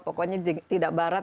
pokoknya tidak barat